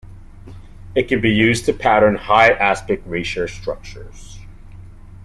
It can be used to pattern high aspect ratio structures.